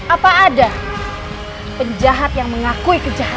apa ada penjahat yang mengakui kejahatan